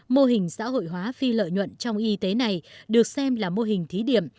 mô hình xã hội hóa phi lợi nhuận trong y tế này được xem là mô hình thí điểm